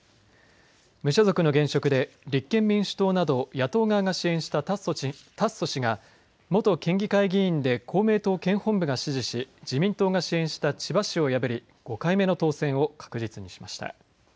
野党側が支援した達増氏が元県議会議員で公明党県本部が支持し自民党が支援した千葉氏を破り５回目の当選を確実にしました。